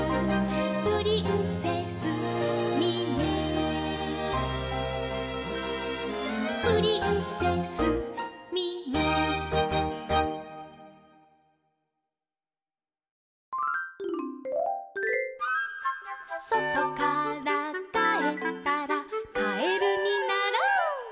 「プリンセスミミィ」「プリンセスミミィ」「そとからかえったらカエルになろう」